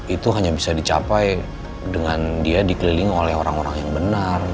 itu hanya bisa dicapai dengan dia dikelilingi oleh orang orang yang benar